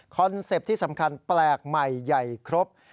เป็ตที่สำคัญแปลกใหม่ใหญ่ครบ